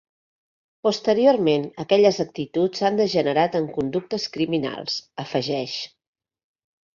Posteriorment, aquelles actituds han degenerat en conductes criminals, afegeix.